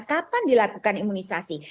kapan dilakukan imunisasi